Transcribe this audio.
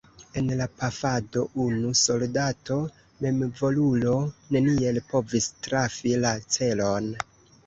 En la pafado unu soldato memvolulo neniel povis trafi la celon.